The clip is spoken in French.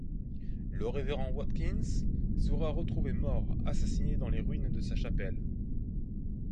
Le révérend Watkins sera retrouvé mort, assassiné dans les ruines de sa chapelle.